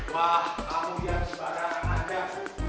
wah kamu biar sembarangannya